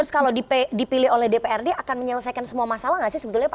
kalau dipilih oleh dprd akan menyelesaikan semua masalah gak sih